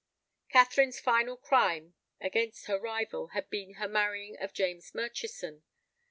Catherine's final crime against her rival had been her marrying of James Murchison.